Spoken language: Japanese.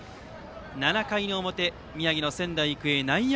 ７回の表、宮城の仙台育英内野